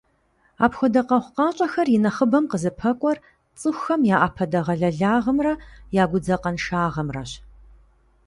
Апхуэдэ къэхъукъащӀэхэр и нэхъыбэм «къызыпэкӀуэр» цӀыхухэм я Ӏэпэдэгъэлэлагъымрэ я гудзакъэншагъэмрэщ.